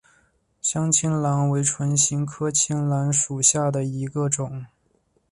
香青兰为唇形科青兰属下的一个种。